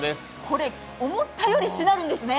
これ思ったより、しなるんですね。